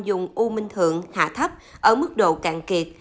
dùng u minh thượng hạ thấp ở mức độ càng kiệt